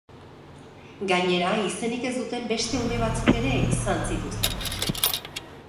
Gainera, izenik ez duten beste ume batzuk ere izan zituzten.